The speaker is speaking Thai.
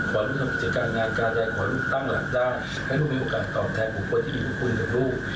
ขอให้ลูกตั้งหลักด้านให้ลูกมีโอกาสต่อแทนบุคคลที่มีคุณกับลูก